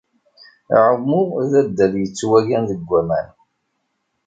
Aɛummu d addal yettwagan deg waman.